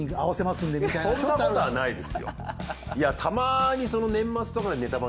そんなことはないですよ。